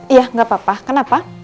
iya nggak apa apa kenapa